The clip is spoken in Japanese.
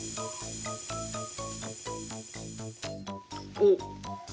おっ！